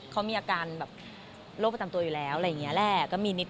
เขามีอาการแบบโลกประตำตัวอยู่แล้วอะไรอย่างเงี้ยแหละก็มีนิดหน่อย